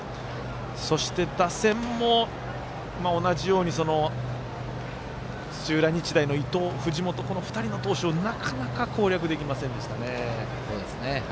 そして打線も同じように土浦日大の伊藤、藤本２人の投手をなかなか、攻略できませんでした。